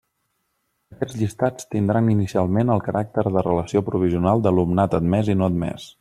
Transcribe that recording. Aquests llistats tindran inicialment el caràcter de relació provisional d'alumnat admés i no admés.